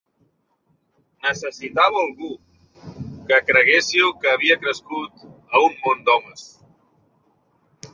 Necessitava algú que creguéssiu que havia crescut a un món d'homes.